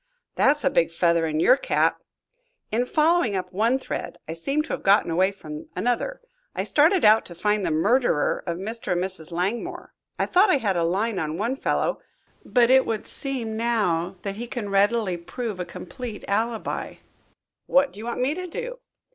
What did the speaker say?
"That's a big feather in your cap." "In following up one thread I seem to have gotten away from another. I started out to find the murderer of Mr. and Mrs. Langmore. I thought I had a line on one fellow, but it would seem now that he can readily prove a complete alibi." "What do you want me to do?"